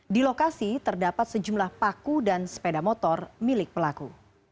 di lokasi terdapat sejumlah paku dan sepeda motor milik pelaku